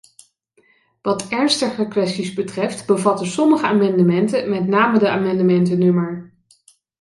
Wat ernstiger kwesties betreft bevatten sommige amendementen, met name de amendementen nr.